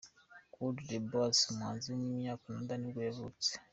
Claude Dubois, umuhanzi w’umunyakanada ni bwo yavutse.